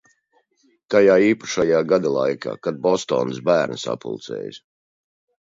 Tajā īpašajā gada laikā, kad Bostonas bērni sapulcējas.